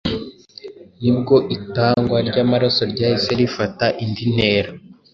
nibwo itangwa ry’amaraso ryahise rifata indi ntera